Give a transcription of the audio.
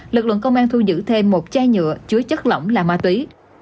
lực lượng công an thu giữ thêm một chai nhựa chứa chất lỏng là ma túy